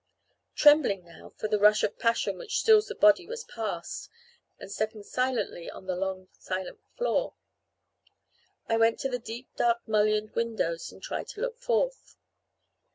Trembling now, for the rush of passion which stills the body was past, and stepping silently on the long silent floor, I went to the deep dark mullioned window and tried to look forth.